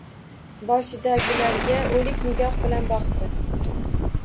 Boshidagilarga o‘lik nigoh bilan boqdi.